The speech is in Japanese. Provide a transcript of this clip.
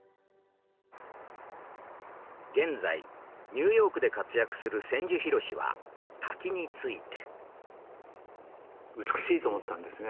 現在ニューヨークで活躍する千住博は滝について。